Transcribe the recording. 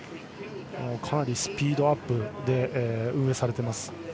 かなりスピードアップで運営されています。